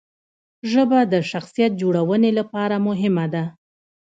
ژبه د شخصیت جوړونې لپاره مهمه ده.